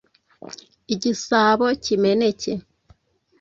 Igisabo kimeneke